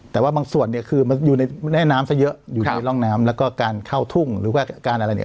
แต่ว่าบางส่วนเนี่ยคือมันอยู่ในแม่น้ำซะเยอะอยู่ในร่องน้ำแล้วก็การเข้าทุ่งหรือว่าการอะไรเนี่ย